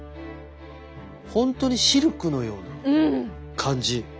本当にシルクのような感じ。